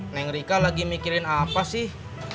neng rika lagi mikirin apa sih